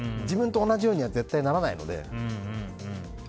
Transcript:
自分と同じようには絶対にならないので。